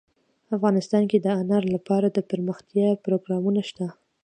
افغانستان کې د انار لپاره دپرمختیا پروګرامونه شته.